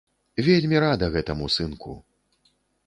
Вельмі рада гэтаму, сынку.